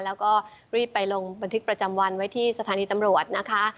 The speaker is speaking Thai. แล้วก็รีบไปลงบันทึกประจำวันไว้ที่สถานีตำรวจนะคะ